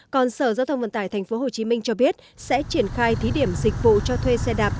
còn sở giao thông vận tải thành phố hồ chí minh cho biết sẽ triển khai thí điểm dịch vụ cho thuê xe đạp